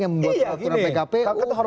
yang membuat undang pkpu